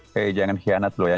hei jangan khianat loh ya